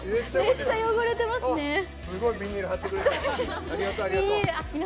すごいビニール張ってくれてる。